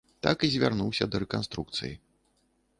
Так і звярнуўся да рэканструкцыі.